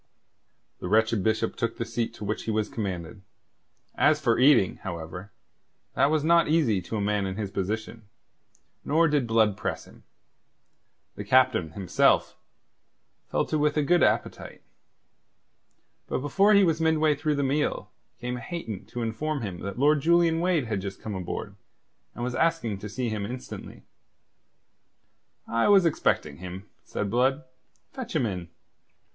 The wretched Bishop took the seat to which he was commanded. As for eating, however, that was not easy to a man in his position; nor did Blood press him. The Captain, himself, fell to with a good appetite. But before he was midway through the meal came Hayton to inform him that Lord Julian Wade had just come aboard, and was asking to see him instantly. "I was expecting him," said Blood. "Fetch him in."